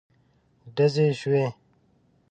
ډزې شوې.